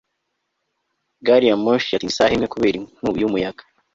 gari ya moshi yatinze isaha imwe kubera inkubi y'umuyaga